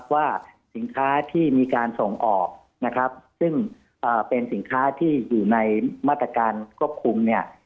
ว่าสินค้าที่มีการส่งออกนะครับซึ่งเป็นสินค้าที่อยู่ในมาตรการควบคุมเนี่ย